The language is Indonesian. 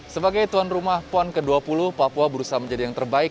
sebagai tuan rumah pon ke dua puluh papua berusaha menjadi yang terbaik